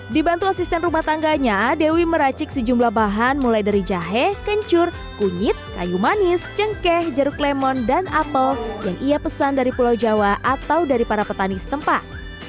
dibantu asisten rumah tangganya dewi meracik sejumlah bahan mulai dari jahe kencur kunyit kayu manis cengkeh jeruk lemon dan apel yang ia pesan dari pulau jawa atau dari para petani setempat